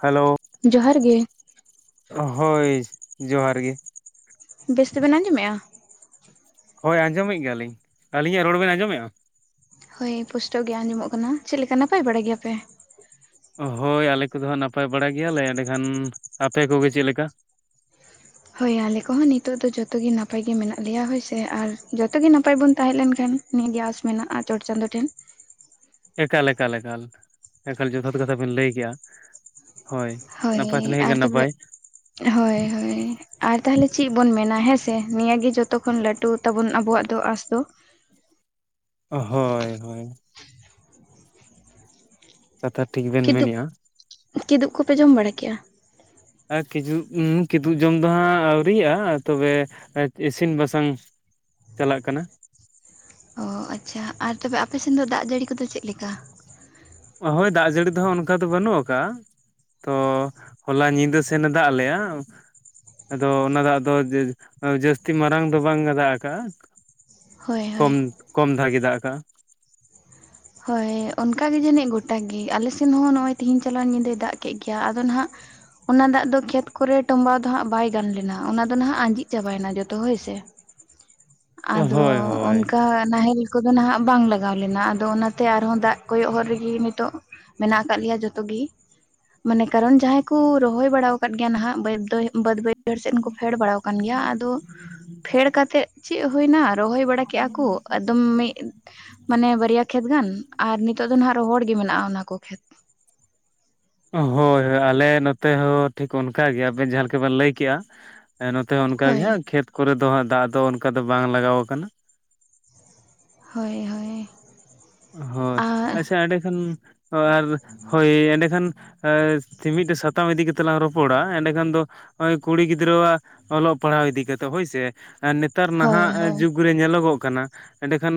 Hello ᱡᱚᱦᱟᱨ ᱜᱮ ᱾ ᱦᱳᱭ ᱡᱚᱦᱟᱨ ᱜᱮ ᱾ ᱵᱮᱥ ᱛᱮᱵᱮᱱ ᱟᱸᱡᱚᱢᱮᱫᱼᱟ? ᱦᱳᱭ ᱟᱸᱡᱚᱢᱮᱫ ᱜᱮᱭᱟ ᱞᱤᱧ᱾ ᱟᱹᱞᱤᱧᱟᱜ ᱨᱚᱲ ᱵᱮᱱ ᱟᱸᱡᱚᱢᱮᱫᱼᱟ? ᱦᱳᱭ ᱯᱩᱥᱴᱚᱭ ᱜᱮ ᱟᱸᱡᱚᱢᱚᱜ ᱠᱟᱱᱟ᱾ ᱪᱮᱫ ᱞᱮᱠᱟ ᱱᱟᱯᱟᱭ ᱵᱟᱲᱟ ᱜᱮᱭᱟ ᱯᱮ? ᱦᱳᱭ ᱟᱞᱮ ᱠᱚᱫᱚ ᱦᱟᱸᱜ ᱱᱟᱯᱟᱭ ᱵᱟᱲᱟ ᱜᱮᱭᱟᱞᱮ ᱮᱸᱰᱮᱠᱷᱟᱱ ᱟᱯᱮ ᱠᱚᱜᱮ ᱪᱮᱫᱮ ᱞᱮᱠᱟ? ᱦᱳᱭ ᱟᱞᱮ ᱠᱚᱦᱚᱸ ᱱᱤᱛᱚᱜ ᱫᱚ ᱡᱚᱛᱚ ᱜᱮ ᱱᱟᱯᱟᱭ ᱜᱮ ᱢᱮᱱᱟᱜ ᱞᱮᱭᱟ ᱦᱳᱭ ᱥᱮ ᱟᱨ ᱡᱚᱛᱚ ᱜᱮ ᱱᱟᱯᱟᱭ ᱵᱚᱱ ᱛᱟᱦᱮᱸ ᱞᱮᱱ ᱠᱷᱟᱱ ᱱᱤᱭᱟᱹ ᱜᱮ ᱟᱸᱥ ᱢᱮᱱᱟᱜᱼᱟ ᱪᱚᱴ ᱪᱟᱸᱫᱳ ᱴᱷᱮᱱ᱾ ᱮᱠᱟᱞ ᱮᱠᱟᱞ ᱮᱠᱟᱞ ᱮᱠᱟᱞ ᱡᱚᱛᱷᱟᱛ ᱠᱟᱛᱷᱟ ᱵᱤᱱ ᱞᱟᱹᱭ ᱠᱮᱫᱟ᱾ ᱦᱳᱭ ᱱᱟᱯᱟᱭ ᱦᱳᱭ ᱛᱟᱦᱮ ᱟᱨ ᱜᱟᱱ ᱛᱚᱵᱮ ᱱᱟᱯᱟᱭ ᱦᱳᱭ ᱦᱳᱭ ᱟᱨ ᱛᱟᱦᱚᱞᱮ ᱪᱮᱫ ᱵᱩᱱ ᱢᱮᱱᱟ ᱦᱮᱸᱥᱮ ᱱᱤᱭᱟᱹ ᱜᱮ ᱡᱷᱚᱛᱚᱠᱷᱚᱱ ᱞᱟᱹᱴᱩ ᱛᱟᱵᱩᱱ ᱟᱵᱚᱣᱟᱜ ᱫᱚ ᱟᱸᱥ ᱫᱚ᱾ ᱦᱳᱭ ᱦᱳᱭ ᱠᱟᱛᱷᱟ ᱴᱷᱤᱠ ᱵᱮᱱ ᱠᱤᱫᱩᱵ ᱢᱮᱱᱮᱫᱼᱟ᱾ ᱠᱤᱫᱩᱵ ᱠᱚᱯᱮ ᱡᱚᱢ ᱵᱟᱲᱟ ᱠᱮᱜᱼᱟ? ᱟᱨ ᱠᱤᱡᱩᱵ ᱩᱸ ᱠᱤᱫᱩᱵ ᱡᱚᱢ ᱫᱚ ᱦᱟᱸᱜ ᱟᱹᱣᱨᱤᱭᱟ ᱛᱚᱵᱮ ᱤᱥᱤᱱ ᱵᱟᱥᱟᱝ ᱪᱟᱞᱟᱜ ᱠᱟᱱᱟ᱾ ᱚ ᱟᱪᱪᱷᱟ ᱟᱨ ᱛᱚᱵᱮ ᱟᱯᱮ ᱥᱮᱱ ᱫᱚ ᱫᱟᱜ ᱡᱟᱹᱲᱤ ᱠᱚᱫᱚ ᱪᱮᱫ ᱞᱮᱠᱟ? ᱦᱳᱭ ᱫᱟᱜ ᱡᱟᱹᱲᱤ ᱫᱚᱦᱟᱜ ᱚᱱᱠᱟ ᱫᱚ ᱵᱟᱹᱱᱩᱜ ᱟᱠᱟᱟᱜᱼᱟ᱾ ᱛᱚ ᱦᱚᱞᱟ ᱧᱤᱫᱟᱹ ᱥᱮᱱᱮ ᱫᱟᱜ ᱞᱮᱜ-ᱟ᱾ ᱟᱫᱚ ᱚᱱᱟ ᱫᱟᱜ ᱫᱚ ᱡᱟᱹᱥᱛᱤ ᱢᱟᱨᱟᱝ ᱫᱚ ᱵᱟᱝ ᱫᱟᱜ ᱟᱠᱟᱜᱼᱟ᱾ ᱦᱳᱭ ᱦᱳᱭ ᱠᱚᱢ ᱠᱚᱢ ᱫᱷᱟᱭ ᱜᱮᱭ ᱫᱟᱜ ᱟᱠᱟᱜᱼᱟ᱾ ᱦᱚᱭ ᱚᱱᱠᱟ ᱡᱟᱱᱤᱪ ᱜᱚᱴᱟ ᱜᱮ ᱟᱞᱮ ᱥᱮᱱ ᱦᱚ ᱱᱚᱜ-ᱚᱭ ᱛᱮᱦᱮᱧ ᱪᱟᱞᱟᱭᱮᱱ ᱧᱤᱫᱟᱹᱭ ᱫᱟᱜ ᱠᱮᱫ ᱜᱮᱭᱟ ᱟᱫ ᱦᱟᱸᱜ ᱚᱱᱟ ᱫᱟᱜ ᱫᱚ ᱠᱷᱮᱛ ᱠᱚᱨᱮ ᱴᱚᱢᱵᱟᱣ ᱚᱱᱟ ᱫᱟᱜ ᱚᱱᱟ ᱫᱟᱜ ᱫᱚ ᱠᱷᱮᱛ ᱠᱚᱨᱮ ᱴᱚᱸᱵᱟ ᱫᱚ ᱦᱟᱜ ᱵᱟᱭ ᱜᱟᱱ ᱞᱮᱱᱟ ᱚᱱᱟ ᱫᱚ ᱱᱟᱦᱟᱜ ᱟᱸᱡᱮᱜ ᱪᱟᱵᱟᱭᱮᱱᱟ ᱡᱚᱛᱚ ᱦᱳᱭ ᱥᱮ᱾ [inaudible] ᱟᱫᱚ ᱦᱳᱭ ᱦᱳᱭ ᱚᱱᱠᱟ ᱱᱟᱦᱮᱞ ᱠᱚᱫᱚ ᱱᱟᱦᱟᱜ ᱵᱟᱝ ᱞᱟᱜᱟᱣ ᱞᱮᱱᱟ ᱟᱫᱚ ᱚᱱᱟ᱾ ᱛᱮ ᱟᱨᱦᱚᱸ ᱫᱟᱜ ᱠᱚᱭᱚᱜ ᱦᱚᱨ ᱨᱮᱜᱮ ᱱᱤᱛᱚᱜ ᱢᱮᱱᱟᱜ ᱟᱠᱟᱫ ᱞᱮᱭᱟ ᱡᱚᱛᱚ ᱜᱮ᱾ ᱢᱟᱱᱮ ᱠᱟᱨᱚᱱ ᱡᱟᱦᱟᱸᱭ ᱠᱚ ᱨᱚᱦᱚᱭ ᱵᱟᱲᱟ ᱟᱠᱟᱫ ᱜᱮᱭᱟ ᱱᱟᱦᱟᱜ ᱵᱟᱹᱭ ᱫᱚ ᱵᱟᱹᱫ ᱵᱟᱹᱭᱦᱟᱹᱲ ᱥᱮᱫ ᱦᱚᱸ ᱯᱷᱮᱰ ᱵᱟᱲᱟ ᱟᱠᱟᱱ ᱜᱮᱭᱟ ᱟᱫᱚ ᱯᱷᱮᱰ ᱠᱟᱛᱮᱫ ᱪᱮᱫ ᱦᱩᱭᱳᱱᱟ ᱨᱚᱦᱚᱭ ᱵᱟᱲᱟ ᱠᱮᱫᱟ ᱠᱚ, ᱮᱠᱫᱚᱢ ᱢᱤᱫ ᱢᱟᱱᱮ ᱵᱟᱨᱭᱟ ᱠᱷᱮᱛ ᱜᱟᱱ ᱟᱨ ᱱᱤᱛᱚᱜ ᱫᱚ ᱱᱟᱦᱟᱜ ᱨᱚᱦᱚᱲ ᱜᱮ ᱢᱮᱱᱟᱜᱼᱟ ᱚᱱᱟᱠᱚ ᱠᱷᱮᱛ᱾ ᱦᱳᱭ ᱦᱳᱭ ᱟᱞᱮ ᱱᱚᱛᱮ ᱦᱚᱸ ᱴᱷᱤᱠ ᱚᱱᱠᱟ ᱜᱮ ᱟᱵᱮᱱ ᱡᱟᱸᱦᱟᱸ ᱞᱮᱠᱟ ᱵᱮᱱ ᱞᱟᱹᱭ ᱠᱮᱜᱼᱟ᱾ ᱦᱮᱸ ᱱᱚᱛᱮ ᱦᱚᱸ ᱚᱱᱠᱟᱜ ᱜᱮ ᱦᱳᱭ ᱦᱟᱸᱜ ᱠᱷᱮᱛ ᱠᱚᱨᱮ ᱫᱚ ᱦᱟᱸᱜ ᱫᱟᱜ ᱫᱚ ᱚᱱᱠᱟ ᱫᱚ ᱵᱟᱝ ᱞᱟᱜᱟᱣ ᱟᱠᱟᱱᱟ᱾ ᱦᱳᱭ ᱦᱳᱭ ᱦᱳᱭ ᱟᱨ ᱟᱪᱪᱷᱟ ᱮᱸᱰᱮ ᱠᱷᱟᱱ ᱟᱨ ᱦᱳᱭ ᱮᱸᱰᱮᱠᱷᱟᱱ ᱟ ᱢᱤᱫᱴᱮᱡ ᱥᱟᱛᱟᱢ ᱤᱫᱤ ᱠᱟᱛᱮᱜ ᱞᱟᱝ ᱨᱚᱯᱚᱲᱟ᱾ ᱮᱸᱰᱮᱠᱷᱟᱱ ᱫᱚ ᱱᱚᱜᱚᱭ ᱠᱩᱲᱤ ᱜᱤᱫᱽᱨᱟᱹ ᱟᱜ ᱚᱞᱚᱜ ᱯᱟᱲᱦᱟᱣ ᱤᱫᱤ ᱠᱟᱛᱮ ᱦᱳᱭ ᱥᱮ ᱱᱮᱛᱟᱨ ᱦᱳᱭ ᱱᱟᱦᱟᱜ ᱦᱳᱭ ᱡᱩᱜᱽ ᱨᱮ ᱧᱮᱞᱚᱜᱚᱜ ᱠᱟᱱᱟ ᱮᱸᱰᱮᱠᱷᱟᱱ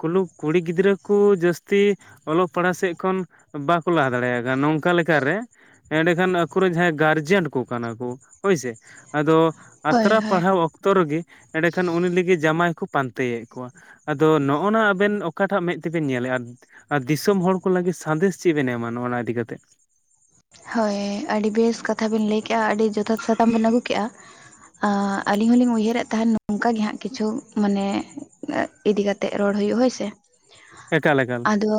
ᱠᱩᱞᱩ ᱠᱩᱲᱤ ᱜᱤᱫᱽᱨᱟᱹ ᱩᱱᱠᱩ ᱡᱟᱹᱥᱛᱤ ᱚᱞᱚᱜ ᱯᱟᱲᱦᱟᱜ ᱥᱮᱫ ᱠᱷᱚᱱ ᱵᱟᱠᱚ ᱞᱟᱦᱟ ᱫᱟᱲᱮᱭᱟᱜ ᱠᱟᱱᱟ ᱱᱚᱝᱠᱟ ᱞᱮᱠᱟᱨᱮ ᱮᱸᱰᱮᱠᱷᱟᱱ ᱟᱠᱚᱨᱮᱱ ᱡᱟᱸᱦᱟᱸᱭ ᱜᱟᱨᱡᱮᱱ ᱠᱚ ᱠᱟᱱᱟ ᱠᱚ ᱦᱳᱭᱥᱮ ᱟᱫᱚ ᱦᱳᱭ ᱟᱛᱨᱟ ᱦᱳᱭ ᱯᱟᱲᱦᱟᱣ ᱚᱠ ᱚᱠᱛᱚ ᱨᱮᱜᱮ ᱮᱸᱰᱮᱠᱷᱟᱱ ᱩᱱᱤ ᱞᱟᱹᱜᱤᱫ ᱡᱟᱢᱟᱭ ᱠᱚ ᱯᱟᱱᱛᱮᱭᱮᱫ ᱠᱚᱣᱟ᱾ ᱟᱫᱚ ᱱᱚᱜᱼᱚᱱᱟ ᱟᱵᱮᱱ ᱚᱠᱟᱴᱟᱜ ᱢᱮᱫ ᱛᱮᱵᱮᱱ ᱧᱮᱞᱮᱜ ᱟᱨ ᱟᱨ ᱫᱤᱥᱚᱢ ᱦᱚᱲ ᱠᱚ ᱞᱟᱹᱜᱤᱫ ᱥᱟᱸᱫᱮᱥ ᱪᱮᱫ ᱵᱮᱱ ᱮᱢᱟ ᱱᱚ ᱚᱱᱟ ᱤᱫᱤᱠᱟ ᱠᱟᱛᱮ᱾ ᱦᱳᱭ ᱟᱹᱰᱤ ᱵᱮᱥ ᱠᱟᱛᱷᱟ ᱵᱮᱱ ᱞᱟᱹᱭ ᱠᱮᱜᱼᱟ, ᱟᱹᱰᱤ ᱡᱚᱛᱷᱟᱛ ᱥᱟᱛᱟᱢ ᱵᱮᱱ ᱟᱹᱜᱩ ᱠᱮᱜᱼᱟ᱾ ᱟᱹᱞᱤᱧ ᱦᱚᱞᱤᱧ ᱩᱭᱦᱟᱹᱨᱮᱫ ᱛᱟᱦᱮᱱ ᱱᱚᱝᱠᱟ ᱜᱮ ᱦᱟᱸᱜ ᱠᱤᱪᱷᱩ ᱢᱟᱱᱮ ᱤᱫᱤ ᱠᱟᱛᱮᱜ ᱨᱚᱲ ᱦᱳᱭᱳᱜᱼᱟ ᱦᱳᱭ ᱥᱮ ᱮᱠᱟᱞ ᱮᱠᱟᱞ ᱫᱚ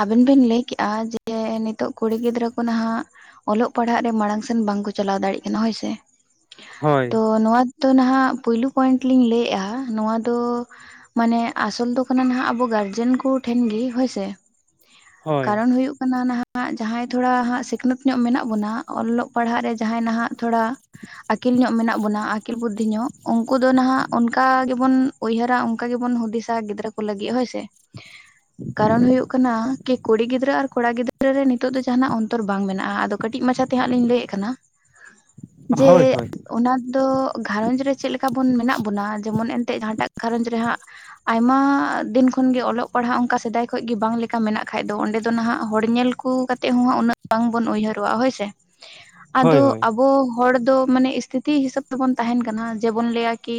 ᱟᱵᱮᱱ ᱵᱮᱱ ᱞᱟᱹᱭ ᱠᱮᱜᱼᱟ ᱡᱮ ᱱᱤᱛᱚᱜ ᱠᱩᱲᱤ ᱜᱤᱫᱽᱨᱟᱹ ᱱᱟᱦᱟᱜ ᱚᱞᱚᱜ ᱯᱟᱲᱦᱟᱜ ᱨᱮ ᱢᱟᱲᱟᱝ ᱥᱮᱱ ᱵᱟᱝᱠᱚ ᱪᱟᱞᱟᱣ ᱫᱟᱲᱮᱭᱟᱜ ᱠᱟᱱᱟ ᱦᱳᱭ ᱥᱮ᱾ ᱦᱳᱭ᱾ ᱛᱚ ᱱᱚᱣᱟ ᱫᱚ ᱱᱟᱦᱟᱜ ᱯᱩᱭᱞᱩ ᱯᱚᱭᱮᱱᱴ ᱞᱤᱧ ᱞᱟᱹᱭᱮᱜᱼᱟ ᱱᱚᱣᱟ ᱫᱚ ᱢᱟᱱᱮ ᱟᱥᱚᱞ ᱫᱚ ᱠᱟᱱᱟ ᱱᱟᱦᱟᱜ ᱟᱵᱚ ᱜᱟᱨᱡᱮᱱ ᱠᱚ ᱴᱷᱮᱱ ᱜᱮ ᱦᱳᱭᱥᱮ ᱾ ᱦᱳᱭ ᱠᱟᱨᱚᱱ ᱦᱩᱭᱩᱜ ᱠᱟᱱᱟ ᱱᱟᱦᱟᱜ ᱡᱟᱦᱟᱸᱭ ᱫᱚ ᱛᱷᱚᱲᱟ ᱦᱟᱜ ᱥᱤᱠᱷᱱᱟᱹᱛ ᱧᱚᱜ ᱢᱮᱱᱟᱜ ᱵᱚᱱᱟ ᱚᱞᱚᱜ ᱯᱟᱲᱦᱟᱜ ᱨᱮ ᱡᱟᱦᱟᱸᱭ ᱱᱟᱦᱟᱜ ᱛᱷᱚᱲᱟ ᱟᱹᱠᱤᱞ ᱧᱚᱜ ᱢᱮᱱᱟᱜ ᱵᱚᱱᱟ ᱟᱹᱠᱤᱞ ᱵᱩᱫᱽᱫᱷᱤ ᱧᱚᱜ, ᱩᱝᱠᱩ ᱫᱚ ᱱᱟᱦᱟᱜ ᱚᱱᱠᱟ ᱜᱮᱵᱚᱱ ᱩᱭᱦᱟᱹᱨᱟ ᱚᱝᱠᱟ ᱜᱮᱵᱚᱱ ᱦᱩᱫᱤᱥᱟ ᱜᱤᱫᱽᱨᱟᱹ ᱠᱚ ᱞᱟᱹᱜᱤᱫ, ᱦᱳᱭ ᱥᱮ ᱾ ᱠᱟᱨᱚᱱ ᱦᱩᱭᱩᱜ ᱠᱟᱱᱟ ᱠᱤ ᱠᱩᱲᱤ ᱜᱤᱫᱽᱨᱟᱹ ᱟᱨ ᱠᱚᱲᱟ ᱜᱤᱫᱽᱨᱟᱹ ᱨᱮ ᱱᱤᱛᱳᱜ ᱫᱚ ᱡᱟᱸᱦᱟᱱᱟᱜ ᱚᱱᱛᱚᱨ ᱵᱟᱝ ᱵᱮᱱᱟᱜᱼᱟ ᱟᱫᱚ ᱠᱟᱹᱴᱤᱡ ᱢᱟᱪᱷᱟᱛᱮ ᱦᱟᱸᱜ ᱞᱤᱧ ᱞᱟᱹᱭᱮᱜ ᱠᱟᱱᱟ, ᱡᱮ ᱦᱳᱭ ᱦᱳᱭ ᱚᱱᱟ ᱫᱚ ᱜᱷᱟᱨᱚᱸᱡᱽ ᱨᱮ ᱪᱮᱫ ᱞᱮᱠᱟ ᱵᱚᱱ ᱢᱮᱱᱟᱜ ᱵᱚᱱᱟ ᱡᱮᱢᱚᱱ ᱮᱱᱛᱜ ᱡᱟᱦᱟᱸᱴᱟᱜ ᱜᱷᱟᱨᱚᱸᱡᱽ ᱨᱮ ᱦᱟᱸᱜ ᱟᱭᱢᱟ ᱫᱤᱱ ᱠᱷᱚᱱᱜᱮ ᱚᱞᱚᱜ ᱯᱟᱲᱦᱟᱜ ᱚᱱᱠᱟ ᱥᱮᱫᱟᱭ ᱠᱷᱚᱡ ᱜᱮ ᱵᱟᱝ ᱞᱮᱠᱟ ᱢᱮᱱᱟᱜ ᱠᱷᱟᱡ ᱫᱚ ᱚᱸᱰᱮ ᱛᱚ ᱱᱟᱦᱟᱜ ᱦᱚᱲ ᱧᱮᱞ ᱠᱚ ᱠᱟᱛ ᱛᱮᱜ ᱦᱚᱸ ᱦᱟᱜ ᱩᱱᱟᱹᱜ ᱵᱟᱝ ᱵᱚᱱ ᱩᱭᱦᱟᱹᱨᱚᱜᱼᱟ ᱦᱳᱭᱥᱮ, ᱦᱳᱭ ᱟᱫᱚ ᱦᱳᱭ ᱟᱵᱚ ᱦᱚᱲ ᱫᱚ ᱢᱟᱱᱮ ᱥᱛᱷᱤᱛᱤ ᱦᱤᱥᱟᱹᱵ ᱛᱮᱵᱚᱱ ᱛᱟᱦᱮᱱ ᱠᱟᱱᱟ ᱡᱮᱵᱚᱱ ᱞᱟᱹᱭᱟ ᱠᱤ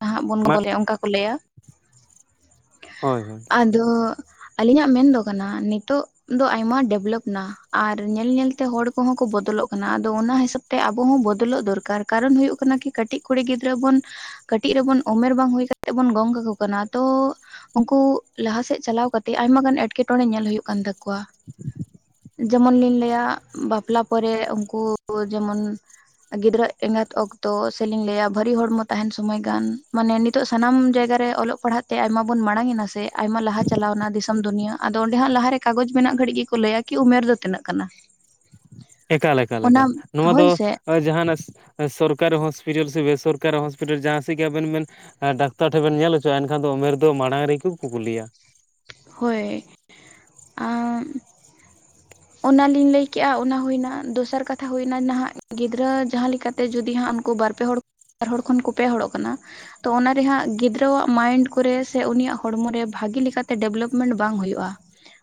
ᱱᱟᱜ ᱵᱚᱱ ᱢᱟ ᱵᱚᱜᱚ ᱞᱮ ᱚᱝᱠᱟ ᱠᱚ ᱞᱟᱹᱭᱟ ᱾ ᱦᱳᱭ, ᱦᱳᱭ ᱾ ᱫᱚ ᱟᱹᱞᱤᱧᱟᱜ ᱢᱮᱱ ᱫᱚ ᱠᱟᱱᱟ ᱱᱤᱛᱚᱜ ᱫᱚ ᱟᱭᱢᱟ ᱰᱮᱵᱞᱚᱯ ᱱᱟ ᱟᱨ ᱧᱮᱞ ᱧᱮᱞᱛᱮ ᱦᱚᱲ ᱠᱚᱦᱚᱸ ᱠᱚ ᱵᱚᱫᱚᱞᱚᱜ ᱠᱟᱱᱟ ᱟᱫᱚ ᱚᱱᱟ ᱦᱤᱥᱟᱹᱵ ᱛᱮ ᱟᱵᱚ ᱦᱚᱸ ᱵᱚᱫᱚᱞᱚᱜ ᱫᱚᱨᱠᱟᱨ ᱾ ᱠᱟᱨᱚᱱ ᱦᱳᱭᱳᱜ ᱠᱟᱱᱟ ᱠᱟᱹᱴᱤᱡ ᱠᱩᱲᱤ ᱜᱤᱫᱽᱨᱟᱹ ᱵᱚᱱ ᱠᱟᱹᱴᱤᱡ ᱨᱮᱵᱚᱱ ᱩᱢᱮᱨ ᱵᱟᱝ ᱦᱩᱭ ᱠᱟᱛᱮᱜ ᱵᱚᱱ ᱜᱚᱝ ᱠᱟᱠᱚ ᱠᱟᱱᱟ ᱛᱚ ᱩᱝᱠᱩ ᱞᱟᱦᱟ ᱥᱮᱫ ᱪᱟᱞᱟᱣ ᱠᱟᱛᱮ ᱟᱭᱢᱟ ᱜᱟᱱ ᱮᱸᱴᱠᱮᱴᱚᱬᱮ ᱧᱮᱞ ᱦᱩᱭᱩᱜ ᱠᱟᱱ ᱛᱟᱠᱚᱣᱟ ᱾ ᱡᱮᱢᱚᱱ ᱞᱤᱧ ᱞᱟᱹᱭᱟ ᱵᱟᱯᱞᱟ ᱯᱚᱨᱮ ᱩᱝᱠᱩ ᱡᱮᱢᱚᱱ ᱜᱤᱫᱽᱨᱟᱹ ᱮᱸᱜᱟᱛ ᱚᱠᱛᱚ ᱥᱮᱞᱤᱧ ᱞᱟᱹᱭᱟ ᱵᱷᱟᱹᱨᱤ ᱦᱚᱲᱢᱚ ᱛᱟᱦᱮᱱ ᱥᱚᱢᱚᱭ ᱜᱟᱱ ᱢᱟᱱᱮ ᱱᱤᱛᱚᱜ ᱥᱟᱱᱟᱢ ᱡᱟᱭᱜᱟ ᱨᱮ ᱚᱞᱚᱜ ᱯᱟᱲᱦᱟᱜ ᱛᱮ ᱟᱭᱢᱟ ᱵᱚᱱ ᱢᱟᱲᱟᱝᱮᱱᱟ ᱥᱮ ᱟᱭᱢᱟ ᱞᱟᱦᱟ ᱪᱟᱞᱟᱣᱱᱟ ᱫᱤᱥᱚᱢ ᱫᱩᱱᱤᱭᱟᱹ, ᱟᱫᱚ ᱚᱸᱰᱮ ᱦᱟᱜ ᱞᱟᱦᱟᱨᱮ ᱠᱟᱜᱚᱡᱽ ᱢᱮᱱᱟᱜ ᱜᱷᱟᱹᱲᱤᱡ ᱜᱮᱠᱚ ᱞᱟᱹᱭᱟ ᱠᱤ ᱩᱢᱮᱨ ᱫᱚ ᱛᱤᱱᱟᱹᱜ ᱠᱟᱱᱟ? ᱮᱠᱟᱞ ᱮᱠᱟᱞ ᱚᱱᱟ ᱮᱠᱟᱞ, ᱱᱚᱣᱟ ᱫᱚ ᱦᱳᱭ ᱥᱮ ᱡᱟᱦᱟᱱᱟᱥ ᱮ ᱥᱚᱨᱠᱤ ᱦᱚᱥᱯᱤᱴᱟᱞ ᱥᱮ ᱵᱼᱮᱥᱚᱨᱠᱟᱨᱤ ᱦᱚᱥᱯᱤᱴᱟᱞ ᱡᱟᱦᱟᱸ ᱥᱮᱜ ᱜᱮ ᱟᱵᱮᱱ ᱢᱮᱱ ᱮ ᱰᱟᱠᱛᱟᱨ ᱴᱷᱮᱱ ᱵᱮᱱ ᱧᱮᱞ ᱦᱚᱪᱚᱜᱼᱟ ᱮᱱᱠᱷᱟᱱ ᱫᱚ ᱩᱢᱮᱨ ᱫᱚ ᱢᱟᱲᱟᱝ ᱨᱮᱜᱮ ᱠᱚ ᱠᱩᱠᱞᱤᱭᱟ ᱾ ᱦᱳᱭ ᱾ ᱟ ᱚᱱᱟᱞᱤᱧ ᱞᱟᱹᱭᱠᱮᱜᱼᱟ ᱚᱱᱟ ᱦᱩᱭᱮᱱᱟ, ᱫᱚᱥᱟᱨ ᱠᱟᱛᱷᱟ ᱦᱩᱭᱱᱟ ᱱᱟᱦᱟᱜ ᱜᱤᱫᱽᱨᱟᱹ ᱡᱟᱦᱟᱸ ᱞᱮᱠᱟ ᱛᱮ ᱡᱩᱫᱤ ᱦᱟᱸᱜ ᱩᱱᱠᱩ ᱵᱟᱨ ᱯᱮ ᱦᱚᱲ ᱵᱟᱨ ᱦᱚᱲ ᱠᱷᱚᱱ ᱠᱚ ᱯᱮ ᱦᱚᱲᱚᱜ ᱠᱟᱱᱟ, ᱛᱚ ᱚᱱᱟᱨᱮ ᱦᱟᱸᱜ ᱜᱤᱫᱽᱨᱟᱹᱣᱟᱜ ᱢᱟᱭᱤᱱᱰ ᱠᱚᱨᱮ ᱥᱮ ᱩᱱᱤᱭᱟᱜ ᱦᱚᱲᱢᱚᱨᱮ ᱵᱷᱟᱹᱜᱤ ᱞᱮᱠᱟᱛᱮ ᱰᱮᱵᱷᱞᱚᱯᱢᱮᱱᱴ ᱵᱟᱝ ᱦᱩᱭᱩᱜᱼᱟ ᱾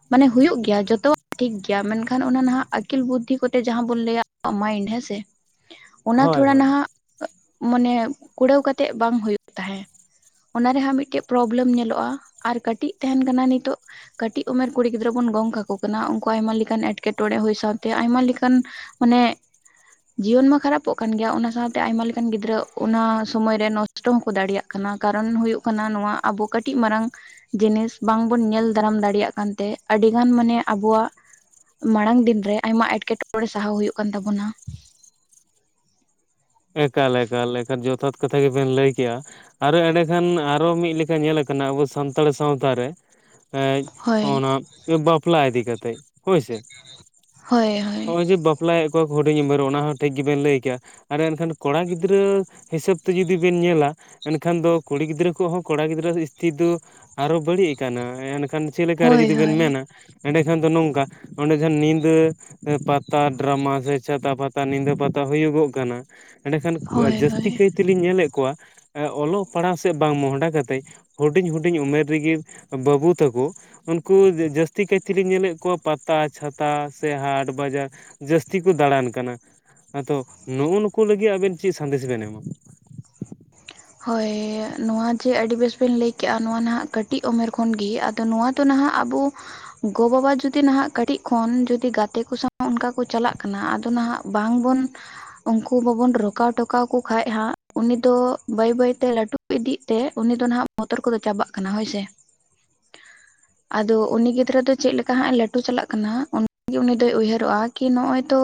ᱢᱟᱱᱮ ᱦᱩᱭᱩᱜ ᱜᱮᱭᱟ ᱡᱚᱛᱚᱣᱟᱜ ᱴᱷᱤᱠ ᱜᱤ ᱭᱟ ᱢᱮᱱᱠᱷᱟᱱ ᱚᱱᱟ ᱱᱟᱦᱟᱜ ᱟᱹᱠᱤᱞ ᱵᱩᱫᱽᱫᱷᱤ ᱠᱚᱛᱮ ᱡᱟᱦᱟᱸ ᱵᱚᱱ ᱞᱟᱹᱭᱟ ᱟ ᱢᱟᱭᱤᱱᱰ ᱦᱮᱸᱥᱮ, ᱚᱱᱟ ᱦᱳᱭ ᱛᱷᱚᱲᱟ ᱦᱳᱭ ᱱᱟᱦᱟᱜ ᱢᱚᱱᱮ ᱠᱩᱲᱟᱹᱣ ᱠᱟᱛᱮᱜ ᱵᱟᱝ ᱦᱩᱭᱩᱜ ᱛᱟᱦᱮᱸ ᱾ ᱚᱱᱟ ᱨᱮ ᱦᱟᱸᱜ ᱢᱤᱫᱴᱮ ᱯᱨᱚᱵᱽᱞᱮᱢ ᱧᱮᱞᱚᱜᱼᱟ ᱟᱨ ᱠᱟᱹᱴᱤᱡ ᱛᱟᱦᱮᱱ ᱠᱟᱱᱟ ᱱᱤᱛᱚᱜ ᱠᱟᱹᱴᱤᱜ ᱩᱢᱮᱨ ᱠᱩᱲᱤ ᱜᱤᱫᱽᱨᱟᱹ ᱵᱩᱱ ᱜᱚᱝ ᱠᱟᱠᱚ ᱠᱟᱱᱟ ᱩᱝᱠᱩ ᱟᱭᱢᱟ ᱞᱮ ᱠᱟᱱ ᱮᱸᱴᱠᱮᱴᱚᱬᱮ ᱦᱩᱭ ᱥᱟᱶᱛᱮ ᱟᱭᱢᱟ ᱞᱮᱠᱟᱱ ᱢᱟᱱᱮ ᱡᱤᱭᱚᱱ ᱢᱟ ᱠᱷᱟᱨᱟᱯᱚᱜ ᱠᱟᱱ ᱜᱮᱭᱟ ᱚᱱᱟ ᱥᱟᱶᱛᱮ ᱟᱭᱢᱟ ᱞᱮᱠᱟᱱ ᱜᱤᱫᱽᱨᱟᱹ ᱚᱱᱟ ᱥᱚᱢᱚᱭ ᱨᱮ ᱠᱚᱥᱴᱚ ᱦᱚᱸᱠᱚ ᱫᱟᱲᱮᱭᱟᱜ ᱠᱟᱱᱟ, ᱠᱟᱨᱚᱱ ᱦᱩᱭᱩᱜ ᱠᱟᱱᱟ ᱱᱚᱣᱟ ᱟᱵᱚ ᱠᱟᱹᱴᱤᱡ ᱢᱟᱨᱟᱝ ᱡᱤᱱᱤᱥ ᱵᱟᱝᱵᱩᱱ ᱧᱮᱞ ᱫᱟᱨᱟᱢ ᱫᱟᱲᱮᱭᱟᱜ ᱠᱟᱱᱛᱮ ᱟᱹᱰᱤᱜᱟᱱ ᱢᱟᱱᱮ ᱟᱵᱚᱣᱟᱜ ᱢᱟᱲᱟᱝ ᱫᱤᱱᱨᱮ ᱟᱭᱢᱟ ᱮᱸᱴᱠᱮᱴᱚᱲᱮ ᱥᱟᱦᱟᱣ ᱦᱩᱭᱩᱜ ᱠᱟᱱ ᱛᱟᱵᱩᱱᱟ ᱾ ᱮᱠᱟᱞ ᱮᱠᱟᱞ ᱮᱠᱟᱞ, ᱡᱚᱛᱷᱟᱛ ᱠᱟᱛᱷᱟ ᱜᱮᱵᱮᱱ ᱞᱟᱹᱭ ᱠᱮᱜᱼᱟ ᱾ ᱟᱨᱚ ᱮᱸᱰᱮᱠᱷᱟᱱ ᱟᱨᱚ ᱢᱤᱜ ᱞᱮᱠᱟ ᱧᱮᱞ ᱟᱠᱟᱱᱟ ᱟᱵᱚ ᱥᱟᱱᱛᱟᱲ ᱥᱟᱶᱛᱟ ᱨᱮ ᱾ ᱮᱸᱡ ᱦᱳᱭ ᱦᱚᱸᱜᱼᱚᱱᱟ ᱵᱟᱯᱞᱟ ᱤᱫᱤ ᱠᱟᱛᱮᱜ ᱦᱳᱭᱥᱮ ᱦᱳᱭ ᱾ ᱦᱳᱭ ᱦᱚᱜᱼᱚᱭ ᱡᱮ ᱵᱟᱯᱞᱟᱭᱮᱜ ᱠᱚᱣᱟ ᱠᱚ ᱦᱩᱰᱤᱧ ᱩᱢᱮᱨ ᱚᱱᱟ ᱦᱚᱸ ᱴᱷᱤᱠ ᱜᱮᱵᱮᱱ ᱞᱟᱹᱭ ᱠᱮᱭᱟ ᱾ ᱟᱨ ᱮᱱᱠᱷᱟᱱ ᱠᱚᱲᱟ ᱜᱤᱫᱽᱨᱟᱹ ᱦᱤᱥᱟᱹᱵ ᱛᱮ ᱡᱩᱫᱤ ᱵᱮᱱ ᱧᱮᱞᱟ ᱮᱱᱠᱷᱟᱱ ᱫᱚ ᱠᱩᱲᱤ ᱜᱤᱫᱽᱨᱟᱹ ᱠᱚᱦᱚᱸ ᱠᱚᱲᱟ ᱜᱤᱫᱽᱨᱟᱹ ᱥᱤᱥᱛᱷᱤ ᱫᱚ ᱟᱨᱚ ᱵᱟᱹᱲᱤᱡ ᱠᱟᱱᱟ ᱮᱱᱠᱷᱟᱱ ᱪᱮᱫ ᱞᱮᱠᱟᱨᱮ ᱦᱳᱭ ᱡᱩᱫᱤ ᱵᱤᱱ ᱦᱳᱭ ᱢᱮᱱᱟ ᱮᱸᱰᱮᱠᱷᱟᱱ ᱫᱚ ᱱᱚᱝᱠᱟ ᱚᱸᱰᱮ ᱡᱟᱦᱟᱸ ᱱᱤᱫᱟᱹ ᱯᱟᱛᱟ ᱰᱨᱟᱢᱟ ᱥᱮ ᱪᱷᱟᱛᱟ ᱯᱟᱛᱟ ᱱᱤᱫᱟᱹ ᱯᱟᱛᱟ ᱦᱩᱭᱩᱜᱚᱜ ᱠᱟᱱᱟ, ᱮᱸᱰᱮᱠᱷᱟᱱ ᱦᱳᱭ ᱦᱳᱭ ᱡᱟᱹᱥᱛᱤ ᱠᱟᱭ ᱛᱮᱞᱤᱧ ᱧᱮᱞᱮᱜ ᱠᱚᱣᱟ ᱚᱞᱚᱜ ᱯᱟᱲᱦᱟᱣ ᱥᱮᱫ ᱵᱟᱝ ᱢᱚᱦᱰᱟ ᱠᱟᱛᱮ ᱦᱩᱰᱤᱧ ᱦᱩᱰᱤᱧ ᱩᱢᱮᱨ ᱨᱮᱜᱮ ᱵᱟᱹᱵᱩ ᱛᱟᱠᱚ ᱩᱱᱠᱩ ᱡᱟᱹᱥᱛᱤ ᱠᱟᱭᱛᱮᱞᱤᱧ ᱧᱮᱞᱮᱜ ᱠᱚᱣᱟ ᱯᱟᱛᱟ ᱪᱷᱟᱛᱟ ᱥᱮ ᱦᱟᱴ ᱵᱟᱡᱟᱨ ᱡᱟᱹᱥᱛᱤ ᱠᱚ ᱫᱟᱬᱟᱱ ᱠᱟᱱᱟ, ᱟᱫᱚ ᱱᱩ ᱱᱩᱠᱩ ᱞᱟᱹᱜᱤᱫ ᱟᱵᱮᱱ ᱪᱮᱫ ᱥᱟᱸᱫᱮᱥ ᱵᱮᱱ ᱮᱢᱟ᱾ ᱦᱳᱭ ᱱᱚᱣᱟ ᱡᱮ ᱟᱹᱰᱤ ᱵᱮᱥ ᱵᱮᱱ ᱞᱟᱹᱭᱠᱮᱜᱼᱟ ᱱᱚᱣᱟ ᱱᱟᱦᱟᱜ ᱠᱟᱹᱴᱤᱡ ᱩᱢᱮᱨ ᱠᱷᱚᱱᱜᱤ ᱟ ᱫᱚ ᱱᱚᱣᱟ ᱫᱚ ᱱᱟᱦᱟᱜ ᱟᱵᱩ ᱜᱚ ᱵᱟᱵᱟ ᱡᱩᱫᱤ ᱱᱟᱦᱟᱸᱜ ᱠᱟᱹᱴᱤᱡ ᱠᱷᱚᱱ ᱡᱩᱫᱤ ᱜᱟᱛᱮ ᱠᱚ ᱥᱟᱶ ᱚᱱᱠᱟ ᱠᱚ ᱪᱟᱞᱟᱜ ᱠᱟᱱᱟ, ᱟᱫᱚ ᱱᱟᱦᱟᱸᱜ ᱵᱟᱝᱵᱩᱱ ᱩᱝᱠᱩ ᱵᱟᱵᱚᱱ ᱨᱚᱠᱟᱣ ᱴᱚᱠᱟᱣᱠᱚ ᱠᱷᱟᱡ ᱦᱟᱸᱜ ᱩᱱᱤ ᱫᱚ ᱵᱟᱹᱭ ᱵᱟᱹᱭᱛᱮ ᱞᱟᱹᱴᱩ ᱤᱫᱤᱜ ᱛᱮ ᱩᱱᱤ ᱫᱚ ᱱᱟᱦᱟᱸᱜ ᱵᱚᱛᱚᱨ ᱠᱚᱫᱚ ᱪᱟᱵᱟᱜ ᱠᱟᱱᱟ ᱦᱳᱭ ᱥᱮ᱾ ᱚ ᱟᱫᱚ ᱩᱱᱤ ᱜᱤᱫᱽᱨᱟᱹ ᱫᱚ ᱪᱮᱫ ᱞᱮᱠᱟ ᱦᱟᱸᱜ ᱞᱟᱹᱴᱩ ᱪᱟᱞᱟᱜ ᱠᱟᱱᱟ, ᱚᱱᱟᱜᱮ ᱩᱱᱤ ᱫᱚᱭ ᱩᱭᱦᱟᱹᱨᱚᱜᱼᱟ ᱠᱤ ᱱᱚᱜᱼᱚᱭ ᱛᱚ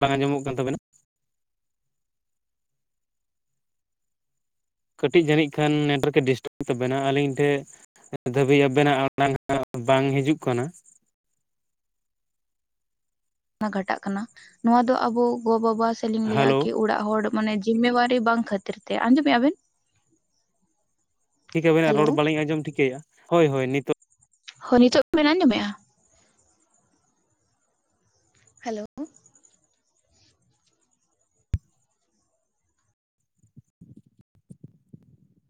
ᱵᱟᱝ ᱟᱸᱡᱚᱢᱚᱜ ᱠᱟᱱ ᱛᱟᱵᱮᱱᱟ᱾ ᱠᱟᱹᱴᱤᱡ ᱡᱟᱹᱱᱤᱡ ᱠᱷᱟᱱ ᱱᱮᱴᱣᱟᱨᱠ ᱰᱤᱥᱴᱟᱵ ᱛᱟᱵᱮᱱᱟ ᱟᱹᱞᱤᱧ ᱴᱷᱮᱡ ᱱᱤᱛ ᱫᱷᱟᱹᱵᱤᱡ ᱟᱵᱮᱱᱟᱜ ᱟᱲᱟᱝ ᱵᱟᱝ ᱦᱤᱡᱩᱜ ᱠᱟᱱᱟ᱾ ᱚᱱᱟ ᱜᱷᱟᱴᱟᱜ ᱠᱟᱱᱟ ᱱᱚᱣᱟ ᱫᱚ ᱟᱵᱚ ᱜᱚ ᱵᱟᱵᱟ ᱥᱮᱞᱤᱧ ᱞᱟᱹᱭᱟ ᱦᱮᱞᱳ ᱠᱤ ᱚᱲᱟᱜ ᱦᱚᱲ ᱢᱟᱱᱮ ᱡᱤᱢᱮᱣᱟᱨᱤ ᱵᱟᱝ ᱠᱷᱟᱹᱛᱤᱨ ᱛᱮ, ᱟᱸᱡᱚᱢᱮᱜᱼᱟ ᱵᱮᱱ? ᱴᱷᱤᱠ ᱟᱵᱮᱱᱟᱜ ᱦᱮᱞᱳ ᱨᱚᱲ ᱵᱟᱹᱞᱤᱧ ᱟᱸᱡᱚᱢ ᱴᱷᱤᱠᱟᱹᱭᱟ ᱦᱳᱭ ᱦᱳᱭ ᱱᱤᱛᱚ ᱦᱚᱸ ᱱᱤᱛᱚᱜ ᱵᱮᱱ ᱟᱹᱡᱚᱢᱮᱜᱼᱟ? ᱦᱮᱞᱳ᱾